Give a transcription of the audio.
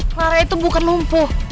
clara itu bukan lumpuh